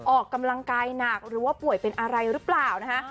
ออกกำลังกายหนักหรือว่าป่วยเป็นอะไรหรือเปล่านะคะ